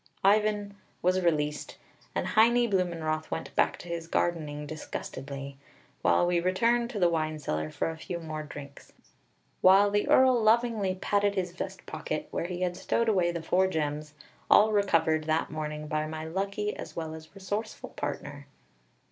Ivan was released and Heinie Blumenroth went back to his gardening disgustedly; while we returned to the wine cellar for a few more drinks, while the Earl lovingly patted his vest pocket, where he had stowed away the four gems, all recovered that morning by my lucky as well as resourceful partner.